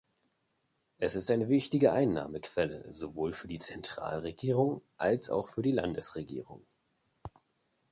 Es ist eine wichtige Einnahmequelle sowohl für die Zentralregierung als auch für die Landesregierung.